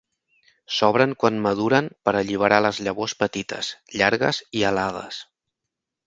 S'obren quan maduren per alliberar les llavors petites, llargues i alades.